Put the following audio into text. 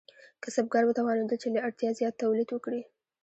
کسبګر وتوانیدل چې له اړتیا زیات تولید وکړي.